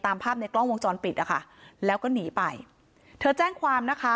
ภาพในกล้องวงจรปิดนะคะแล้วก็หนีไปเธอแจ้งความนะคะ